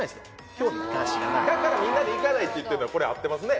興味関心がないだからみんなで行かないって言ってるのはこれ合ってますね